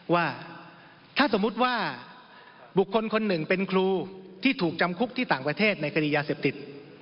ว่าถ้าสมมุติว่าบุคคลคนหนึ่งเป็นครูที่ถูกจำคุกที่ต่างประเทศในคดียาเสพติด